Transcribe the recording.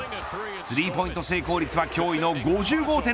スリーポイント成功率は驚異の５５．６％。